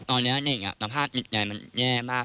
ตอนนี้ละเด็กอ่ะสภาพจิตใจมันแย่มาก